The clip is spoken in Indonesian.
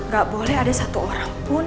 gak boleh ada satu orang pun